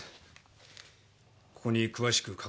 ここに詳しく書かれています。